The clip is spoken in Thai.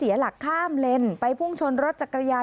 มีเกือบไปชนิดนึงนะครับ